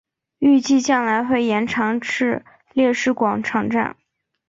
预计将来会延长至烈士广场站。